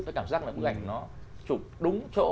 tôi cảm giác là bức ảnh nó chụp đúng chỗ